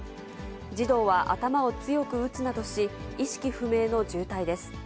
児童は頭を強く打つなどし、意識不明の重体です。